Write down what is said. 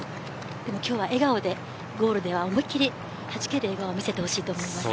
でも今日は笑顔でゴールでは思い切りはじける笑顔を見せてほしいと思います。